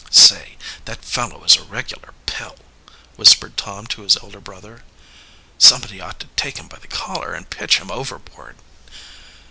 "Say, that fellow is a regular pill," whispered Tom to his elder brother. "Somebody ought to take him by the collar and pitch him overboard."